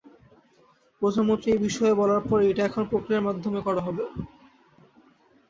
প্রধানমন্ত্রী এ বিষয়ে বলার পর এটা এখন প্রক্রিয়ার মাধ্যমে করা হবে।